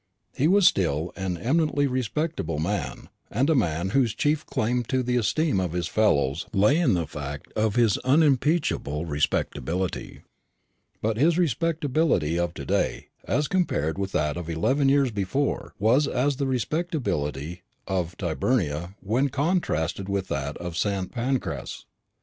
He was still an eminently respectable man, and a man whose chief claim to the esteem of his fellows lay in the fact of his unimpeachable respectability; but his respectability of to day, as compared with that of eleven years before, was as the respectability of Tyburnia when contrasted with that of St. Pancras.